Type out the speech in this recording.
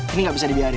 ini gak bisa dibiarin